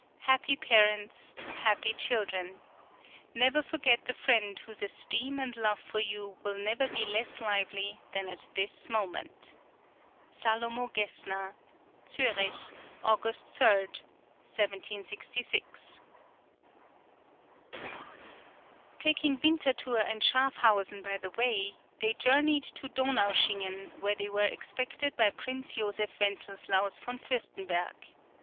Happy parents! happy children! Never forget the friend whose esteem and love for you will never be less lively than at this moment. Salomo Gesner. Zurich, August 3, 1766. Taking Winterthur and Schafhausen by the way, they journeyed to Donaueschingen, where they were expected by Prince Joseph Wenzeslaus von Fürstenberg.